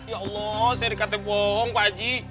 ya allah saya di katain bohong pakji